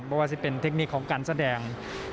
เพราะว่าจะเป็นเทคนิคของการแสดง